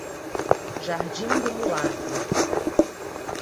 Jardim do Mulato